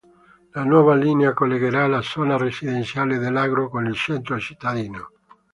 La nuova linea collegherà la zona residenziale dell’agro con il centro cittadino.